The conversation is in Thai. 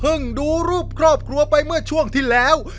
ดูรูปครอบครัวไปเมื่อช่วงที่แล้ว